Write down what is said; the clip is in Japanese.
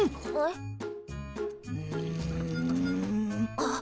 あっ！